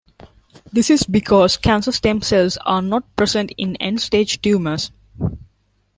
This is because cancer stem cells are not present in end-stage tumors.